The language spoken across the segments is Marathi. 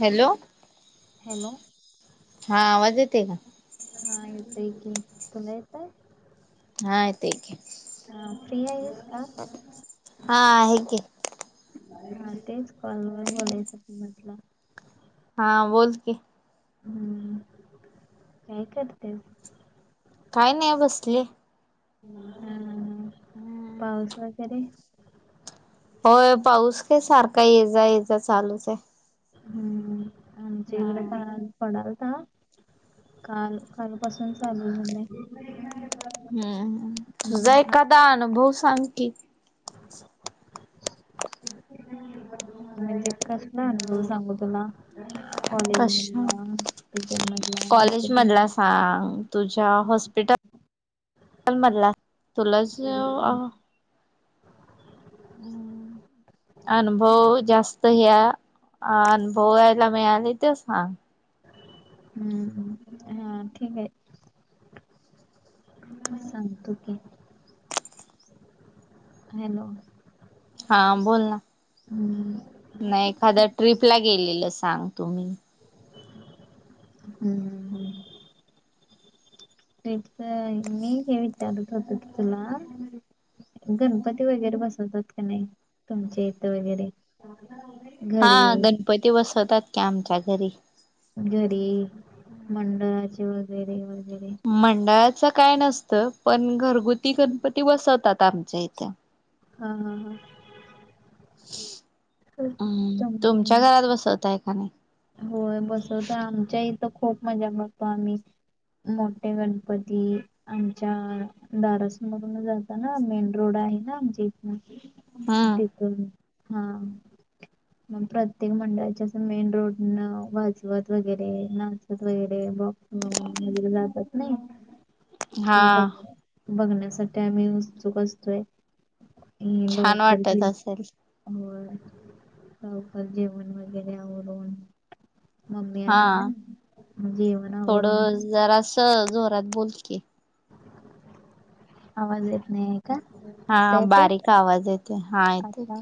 हॅलो हॅलो हा आवाज येते का हा येतयकीी तला येतय हा य ते आहेक आहे ह प्रिया येस का हा हेक ह तेच कॉलवर बोलायचं त म्हटलं हा बोल क हम्म काय करतेस काय नाही बसले हम ह हम्म पाऊस वगैरे होय पाऊस काय सारखा ये जा ये जा चालूच आहे हम्मलं हम्म पण पडालता काल कालपसून चालू झा नाही हम्म तू हम्म जाय आ- कादा अनुभव सांग की म्हणजे कसलं अनुभू सांगू तुला कॉलेज कशा मला टटर मलाॉस्ट म अ तुझ्या हॉस्पिटल मधला तुलाच [inaudible] अनुभव जास्त ह्या अनुभवायला मिळाले ते सांग हम्म हा ठीक आहे म सांगतो की हॅलो हा बोल ना हम्म नाही एखाद्या ट्रिपला गेलेलं सांग तुम्ही हम्म हम् तच मी हे विचारत होत की तुला गणपती वगैरे बसवतात का नाही तुमचे इथं वगैरे हा घरी गणपती बसवतात की आमच्या घरी घरी मंडळाचे वगैरे वगैरे मंडळाचं काय नसतं पण घरगुती गणपती बसवतात आमच्या इथे हा हा हा हा हम्म तुमच्या तुम- घरात बसवतयखा नाही होय बसव तर आमच्या इथं खूप मजा करतो आम्ही मोठे गणपती आमच्या दादाचं लग्न झालत ना, मेन रोड आहे ना, आमच्या इथ हम्म तिथून हा मग प्रत्येक मंडळाचें मेन रोड वाजवत वगैरे, नाचत वगैरे, बॉक् वगैरे जातात नाही हा ते बघ, बघण्यासाठी आम्ही उत्सुक असतोय. हम, छान लवकर घे वाटत असेल होय लवकर जेवण वगैरे आवरून मम्मी हा आली ना जेवणवरून त जोरात बोल क आवाज येत नाही आहे का? आता हा येतोय? बारीक आवाज येतोय, हा येतोय. आता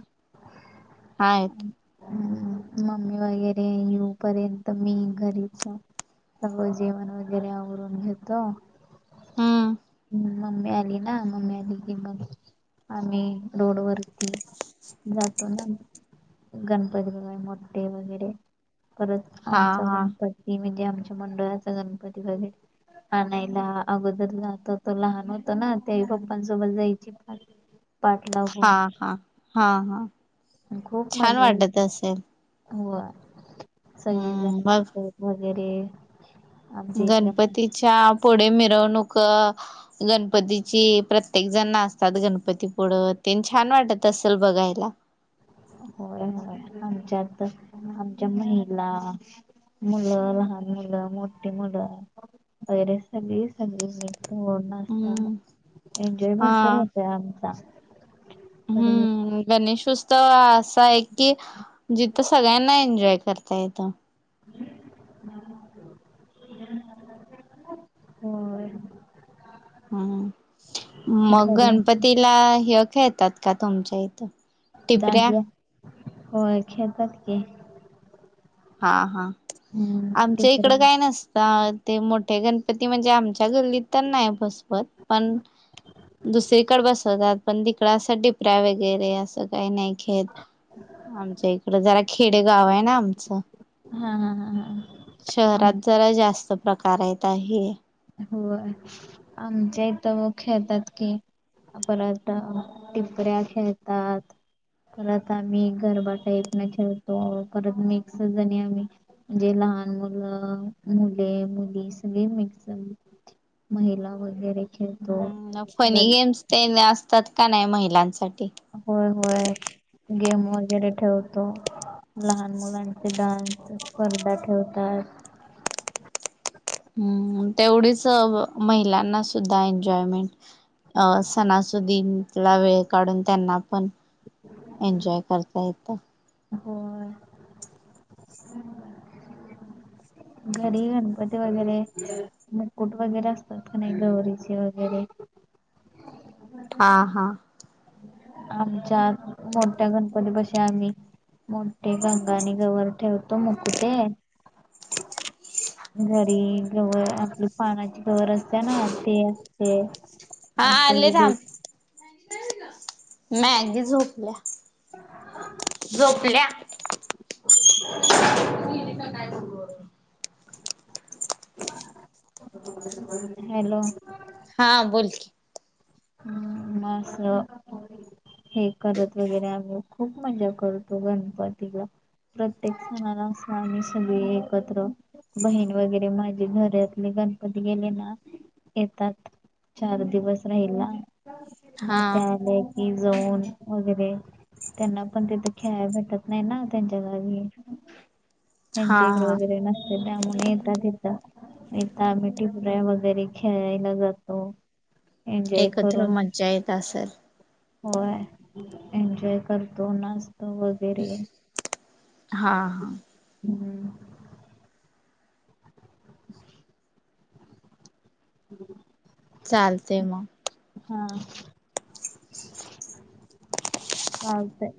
हम्! मम्मी वगैरे येऊ पर्यंत मी घरीच सगळ जेवण वगैरे आवरून घेतो, हम्म हम्. मम्मी आली ना, मम्मी आली की मग, आम्ही रोड वर जातो ना, गणपती बगाय मोठे वगैरे परत हा आमचा हा गणपती, म्हणजे आमच्या मंडळाचा गणपती बघल आणनायला अगोदर जात होतो ना, तेव्हा लहान होतो ना, तत्यावेळी पप्पांसोबत जायची पा [inaudible] [unintelligible] [inaudible] हा, हा. हा, हा. खूप छान मजा वाटत येते. असेल होय, सगळीजण हम्म मग नाटक वगैरे आमच्या इथल्या गणपतीच्या पुढे मिरवणूक गणपतीची, प्रत्येक जण नाचतात गणपती पुढ, ते छान वाटत असेल बघायला. होय होय, आमच्यात आमच्या महिला मुलं, लहान मुलं, मोठी मुलं वगैरे सगळी सगळी, म ओढ न हम्म असतात एन्जॉय हा भरपूर होतय आमचा. परत हम्म! गणेशउत्सव त असा आहे की, जिथं सगळ्यांना एन्जॉय करता येतं होय हम! मग घरी गणपतीला हे खेळतात का तुमच्या इथं टिपऱ्या दांडया, होय खेळतात की. हा हा, हम्म आमच्या इकड टिपऱ्या काय नसतात. ते मोठे गणपती म्हणजे, आमच्या गल्लीत तर नाही बसपत पण दुसरीकडे बसवतात. पण तिकड अस, टिपऱ्या वगैरे असं काही नाही खेे आमच्या इकडं जरा खेडे गाव आहे ना आमचं. हा. हा. हा. हा आम शहरात जरा जास्त प्रकार आहेत हे. हो आमच्या इथ म खेळतात की. परत टिपऱ्या खेळतात. परत आम्ही गरबा टाईप न खेळतो, परत मिक्सणी आम्ही म्हणजे लहान मुलं मुले, मुली सगळ मिक्स महिला वगैरे खेळतो हम् फनी परत गेम्स ते असतात का नाही महिलांसाठी? होय, होय, गेम वगैरे ठेवतो. लहान मुलांचे डान्स स्पर्धा ठेवतात. हम्म, तेवढीच महिलांना सुद्धा एन्जॉयमेंट. अ सणासुदी ला वेळ काढून त्यांना पण एन्जॉय करता येतं. होय. घरी गणपती वगैरे, मुकुट वगैरे असतात का नाही गौरीचे वगैरे. हा हा. आमच्या मोठ्या गणपतीपशी आम्ही मोठे गंगाने गववर ठेवतो मुकुटे. घरी गवर आपली पानाची गवर असते ना. ते असते हा मस्त आले व नाय आजी झोपल्या झोपल्या. [inaudible] [unintelligible] हॅलो. हा बोल की. हम् म अस हे करत वगैरे आम्ही खूप मजा करतो गणपतीला. प्रत्येक सणाला असे आम्ही सगळे एकत्र बहीण वगैरे माझे घरतले गणपती गेले ना येतात. चार दिवस राहिल्या, मग हा ते आले कि जाऊन वगैरे त्यांना पण तिथे खेळायला भेटत नाही ना त्यांच्या घरी. हा त्यांची इकड हा वगैरे नसते त्यामुळे येतात येत. हितं आम्ही टिपऱ्या वगैरे खेळायला जातो एनजॉयो एकत्र मजा येत असेल? होय. एन्जॉय करतो नाचतो वगैर तरे हा हा. हम्. चालते मग. हा चालतय.